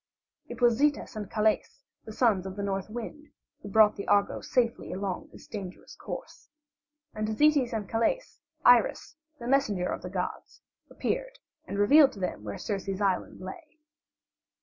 It was Zetes and Calais, the sons of the North Wind, who brought the Argo safely along this dangerous course. And to Zetes and Calais Iris, the messenger of the gods, appeared and revealed to them where Circe's island lay.